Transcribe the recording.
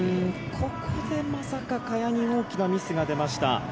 ここでまさか萱に大きなミスが出ました。